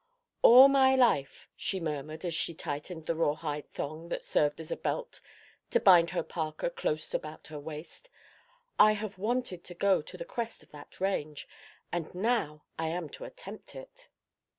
"All my life," she murmured as she tightened the rawhide thong that served as a belt to bind her parka close about her waist, "I have wanted to go to the crest of that range, and now I am to attempt it."